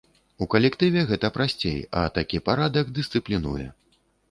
У калектыве гэта прасцей, а такі парадак дысцыплінуе.